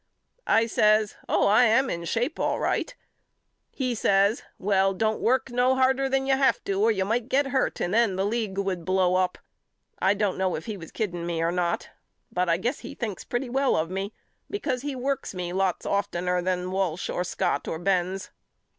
I says Oh I am in shape all right. He says Well don't work no harder than you have to or you might get hurt and then the league would blow up. I don't know if he was kidding me or not but I guess he thinks pretty well of me because he works me lots oftener than Walsh or Scott or Benz.